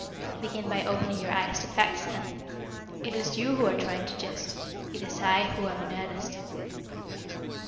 "Begin by opening your eyes to facts, then. It is you who are trying to jest. It is I who am in earnest.